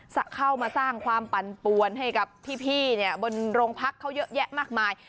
เข้ามาสร้างความปั่นปวนให้กับพี่บนโรงพักเขาเยอะแยะมากมาย